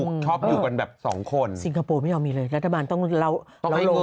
๑๐คนไม่มีเยอะหรอก